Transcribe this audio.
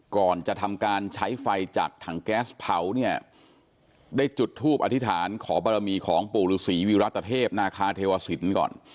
ก่อนจะทำการใช้ไฟจากถังแก๊สเผาเนี่ยได้จุดทูปอธิษฐานขอบรมีของปู่ฤษีวิรัตเทพนาคาเทวสินก่อน